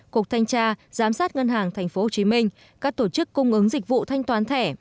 cục thanh tra giám sát ngân hàng thành phố hồ chí minh các tổ chức cung ứng dịch vụ thanh toán thẻ